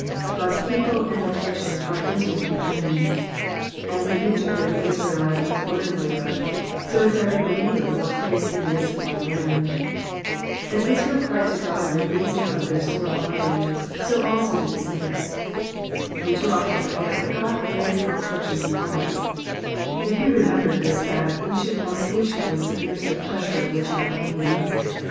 God's people and affliction are intimate companions. As in Egypt every Israelite was a burden bearer, so is every believer while he is in this foreign Digitized by Google IM EXPOSITIONS Of THE PSAUIS. ImkL Am Israel cried to Grod by resson of their rare bondage, io abo do the tttiDtii. We foo often forget that God lajs oar afflictions upon ns ; if we re membered this fact, we should more patiently submit to the pressure which ■ow pains i».